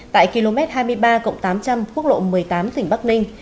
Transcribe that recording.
tại km hai mươi ba tám trăm linh quốc lộ một mươi tám tỉnh bắc ninh